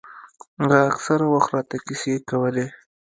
هغه اکثره وخت راته کيسې کولې.